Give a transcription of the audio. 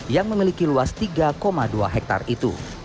yang memiliki luas tiga dua hektare itu